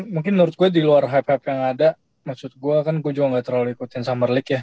mungkin menurut gue di luar hype hype yang ada maksud gue kan gue juga gak terlalu ikutin summer league ya